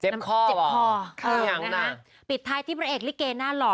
เจ็บคอเหรอจังนะฮะปิดท้ายที่ประเอกลิเกณฑ์น่าหล่อ